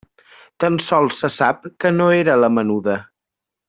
Tan sols se sap que no era la menuda.